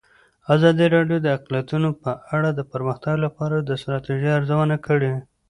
ازادي راډیو د اقلیتونه په اړه د پرمختګ لپاره د ستراتیژۍ ارزونه کړې.